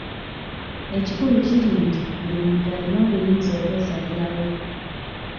Ekikulu kiri nti buli muntu alina obuyinza okwesalirawo.